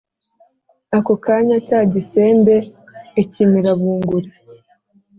Ako kanya cya gisembe ikimira bunguri.